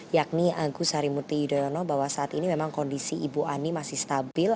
yakni agus harimurti yudhoyono bahwa saat ini memang kondisi ibu ani masih stabil